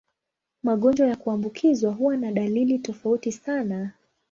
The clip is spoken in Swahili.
Magonjwa ya kuambukizwa huwa na dalili tofauti sana.